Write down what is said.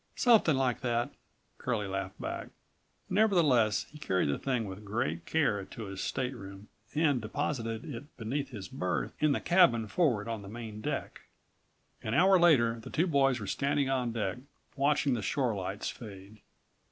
"Something like that," Curlie laughed back. Nevertheless, he carried the thing with great care to his stateroom and deposited it beneath133 his berth in the cabin forward on the main deck. An hour later the two boys were standing on deck watching the shore lights fade.